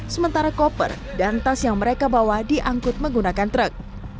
sementara koper dan tas yang mereka bawa diangkut menggunakan truk